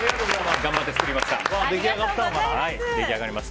頑張って作りました。